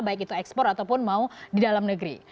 baik itu ekspor ataupun mau di dalam negeri